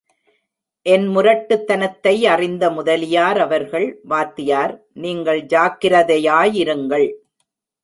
என் முரட்டுத்தனத்தை அறிந்த முதலியார் அவர்கள், வாத்தியார், நீங்கள் ஜாக்கிரதையாயிருங்கள்.